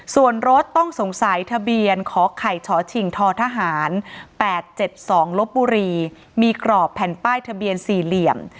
ส่วนรถต้องสงสัยทะเบียนขอไข่ฉชิงททหาร๘๗๒ลบบุรีมีกรอบแผ่นป้ายทะเบียน๔เหลี่ยม